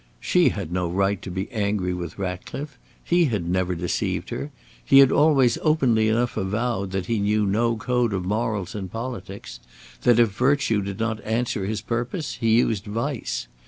She had no right to be angry with Ratcliffe. He had never deceived her. He had always openly enough avowed that he knew no code of morals in politics; that if virtue did not answer his purpose he used vice.